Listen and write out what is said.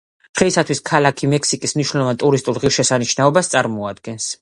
დღეისათვის ქალაქი მექსიკის მნიშვნელოვან ტურისტულ ღირსშესანიშნაობას წარმოადგენს.